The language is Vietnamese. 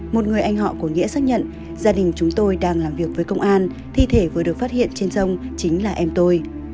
một người anh họ của nghĩa xác nhận gia đình chúng tôi đang làm việc với công an thi thể vừa được phát hiện trên sông chính là em tôi